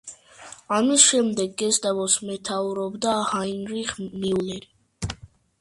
ამის შემდეგ გესტაპოს მეთაურობდა ჰაინრიხ მიულერი.